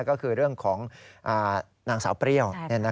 ก็คือเรื่องของนางสาวเปรี้ยว